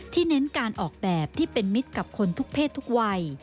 เน้นการออกแบบที่เป็นมิตรกับคนทุกเพศทุกวัย